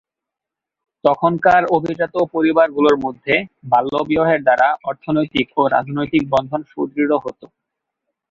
তখনকার অভিজাত পরিবারগুলোর মধ্যে বাল্যবিবাহের দ্বারা অর্থনৈতিক বা রাজনৈতিক বন্ধন সুদৃঢ় হত।